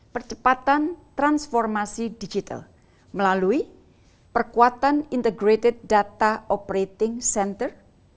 percepatan transformasi digital melalui perkuatan integrated data operating center